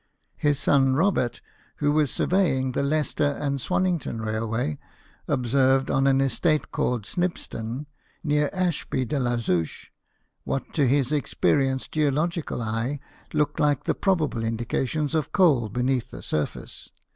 His son Robert, who was surveying the Leicester and Swannington rail way, observed on an estate called Snibston, near Ashby de la Zouch, what to his experi enced geological eye looked like the probable indications of coal beneath the surface.